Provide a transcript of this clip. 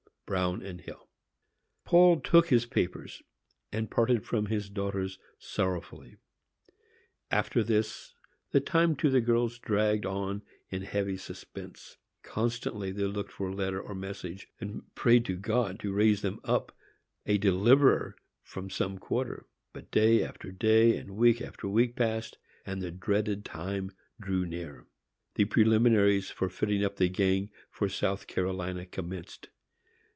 BRUIN & HILL. Paul took his papers, and parted from his daughters sorrowfully. After this, the time to the girls dragged on in heavy suspense. Constantly they looked for letter or message, and prayed to God to raise them up a deliverer from some quarter. But day after day and week after week passed, and the dreaded time drew near. The preliminaries for fitting up the gang for South Carolina commenced.